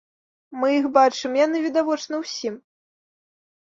Мы іх бачым, яны відавочны ўсім.